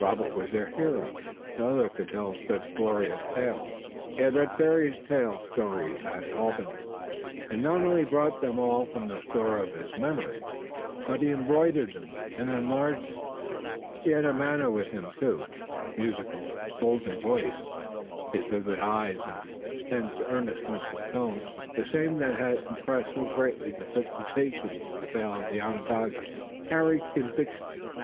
Robert was their hero. No other could tell such glorious tales. He had read fairy stories at Albany, and he not only brought them all from the store of his memory but he embroidered and enlarged them. He had a manner with him, too. His musical, golden voice, his vivid eyes and his intense earnestness of tone, the same that had impressed so greatly the fifty sachems in the vale of Onondaga, carried conviction.